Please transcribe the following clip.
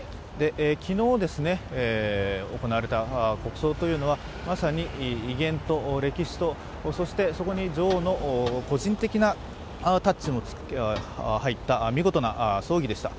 昨日行われた国葬というのはまさに威厳と歴史と、そしてそこに女王の個人的なタッチも入った見事な葬儀でした。